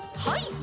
はい。